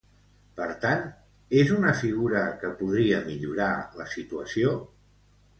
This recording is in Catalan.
Per tant, és una figura que podria millorar la situació?